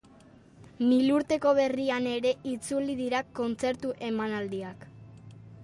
Milurteko berrian ere itzuli dira kontzertu emanaldiak.